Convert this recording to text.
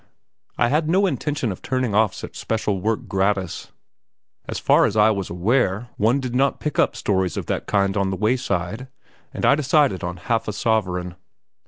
I had no intention of turning off such special work gratis. As far as I was aware, one did not pick up stories of that kind on the wayside, and I decided on half a sovereign.